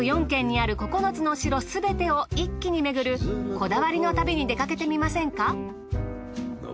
４県にある９つのお城すべてを一気にめぐるこだわりの旅に出かけてみませんか？